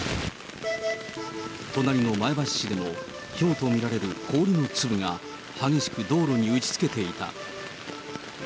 隣の前橋市でも、ひょうと見られる氷の粒が激しく道路に打ちつけていた。